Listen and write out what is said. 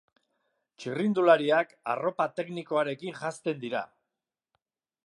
Txirrindulariak arropa teknikoarekin janzten dira.